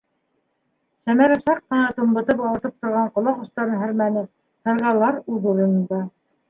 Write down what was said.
Сәмәрә саҡ ҡына тумбытып ауыртып торған ҡолаҡ остарын һәрмәне: - Һырғалар үҙ урынында.